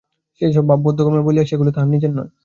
যে-সব ভাব এখন বৌদ্ধধর্ম বলিয়া অভিহিত, সেগুলি তাঁহার নিজের নয়।